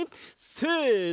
せの。